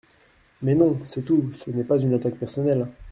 Mais non ! C’est tout ! Ce n’est pas une attaque personnelle.